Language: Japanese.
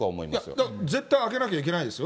だから絶対開けなきゃいけないですよ。